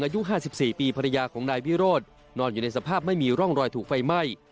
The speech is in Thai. อายุ๕๔ปีภรรยาของนายวิโรธนอนอยู่ในสภาพไม่มีร่องรอยถูกไฟไหม้